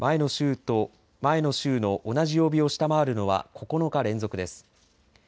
前の週の同じ曜日を下回るのは９日連続です。